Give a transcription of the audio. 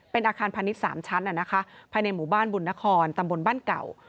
เป็นอาคารพาณิชย์๓ชั้นภายในหมู่บ้านบุญนครตำบลบ้านเก่า